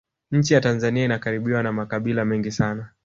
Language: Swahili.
nchi ya tanzania inakabiriwa na makabila mengi sana